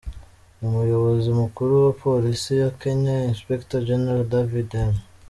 Umuyobozi mukuru wa Polisi ya Kenya Inspector General David M.